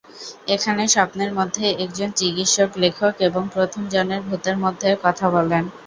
এখানে স্বপ্নের মধ্যেই একজন চিকিৎসক লেখক এবং প্রথম জনের ভূতের মধ্যে কথা বলেন।